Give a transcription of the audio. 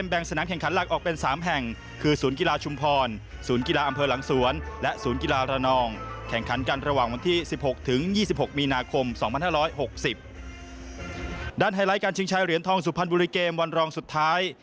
ไฮไลท์การชิงชายเหรียญทองสุพรรณบุรีเกมวันรองสุดท้าย